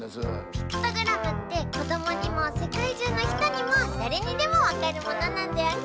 ピクトグラムってこどもにもせかいじゅうのひとにもだれにでもわかるものなんだよね。